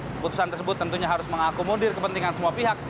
keputusan tersebut tentunya harus mengakomodir kepentingan semua pihak